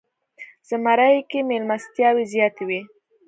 زمری کې میلمستیاوې زیاتې وي.